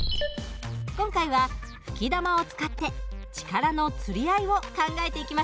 今回は吹き玉を使って力のつり合いを考えていきましょう。